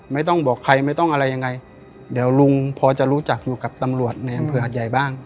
ไม่ต้องบอกใครไม่ต้องอะไรยังไงเดี๋ยวลุงพอจะรู้จักอยู่กับตำรวจในอำเภอหัดใหญ่บ้าง